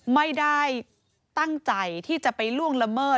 ไม่ได้ตั้งใจที่จะไปล่วงละเมิด